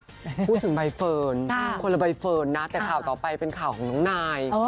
พูดถึงใบเฟิร์นคนละใบเฟิร์นนะแต่ข่าวต่อไปเป็นข่าวของน้องนาย